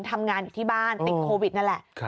ทำงานอยู่ที่บ้านติดโควิดนั่นแหละ